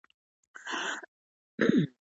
په نړیوال بازار کې یو کیلو مالوچ ډالر پلورل کېدل.